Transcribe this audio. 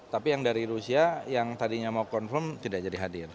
tapi yang dari rusia yang tadinya mau confirm tidak jadi hadir